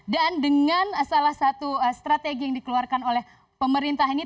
dan dengan salah satu strategi yang dikeluarkan oleh pemerintah ini